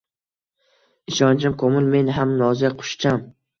Ishonchim komil, men ham nozik qushcham